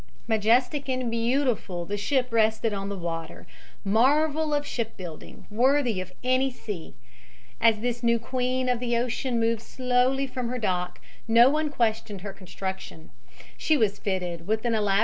Majestic and beautiful the ship rested on the water, marvel of shipbuilding, worthy of any sea. As this new queen of the ocean moved slowly from her dock, no one questioned her construction: she was fitted with an elaborate system of {illust.